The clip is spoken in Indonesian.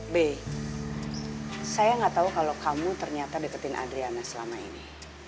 b saya gak tahu kalau kamu ternyata deketin adriana selama ini